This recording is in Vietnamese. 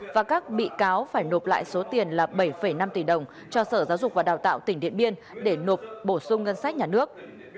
và các bị cáo phải nộp lại số tiền là bảy năm tỷ đồng cho sở giáo dục và đào tạo tỉnh điện biên để nộp bổ sung ngân sách nhà nước